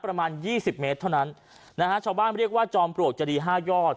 ประมาณยี่สิบเมตรเท่านั้นนะฮะชาวบ้านเรียกว่าจอมปลวกจะดีห้ายอด